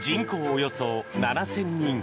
およそ７０００人